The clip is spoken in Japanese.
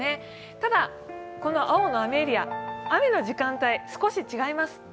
ただ、この青の雨エリア、雨の時間帯が少し違います。